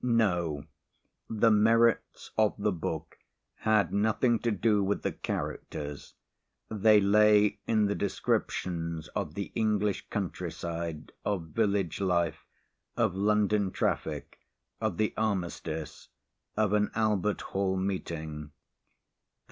No, the merits of the book had nothing to do with the characters, they lay in the descriptions of the English countryside, of village life, of London traffic, of the Armistice, of an Albert Hall meeting.